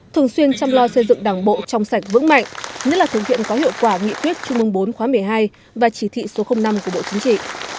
thường xuyên chăm lo xây dựng đảng bộ trong sạch vững mạnh nhất là thực hiện có hiệu quả nghị quyết trung ương bốn khóa một mươi hai và chỉ thị số năm của bộ chính trị